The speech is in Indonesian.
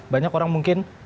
banyak orang mungkin